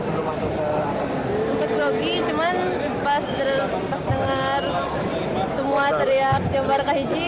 sempat kurogi cuman pas dengar semua teriak jempar kahiji